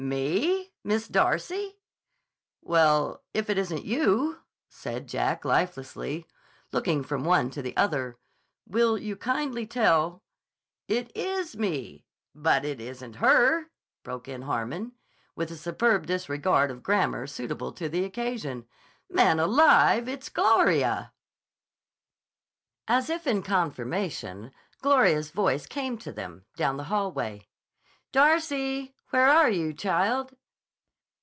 "Me? Miss Darcy?" "Well, if it isn't you," said Jack lifelessly, looking from one to the other: "will you kindly tell—" "It is me, but it isn't her," broke in Harmon, with the superb disregard of grammar suitable to the occasion. "Man alive, it's Gloria!" As if in confirmation, Gloria's voice came to them, down the hallway. "Darcy! Where are you, child?"